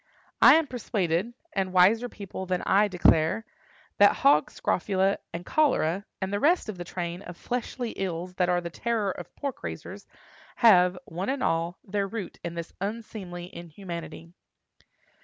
I am persuaded—and wiser people than I declare—that hog scrofula and cholera, and the rest of the train of fleshly ills that are the terror of pork raisers, have, one and all, their root in this unseemly inhumanity.